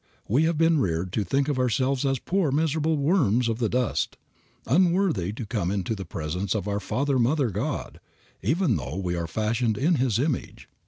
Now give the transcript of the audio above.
We have been reared to think of ourselves as "poor miserable worms of the dust," unworthy to come into the presence of our Father Mother God, even though we are fashioned in His image.